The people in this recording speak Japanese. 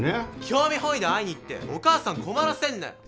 興味本位で会いに行ってお母さん困らせんなよ。